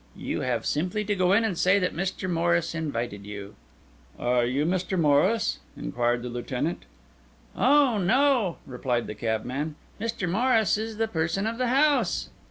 You have simply to go in and say that Mr. Morris invited you." "Are you Mr. Morris?" inquired the Lieutenant. "Oh, no," replied the cabman. "Mr. Morris is the person of the house."